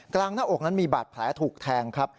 หน้าอกนั้นมีบาดแผลถูกแทงครับ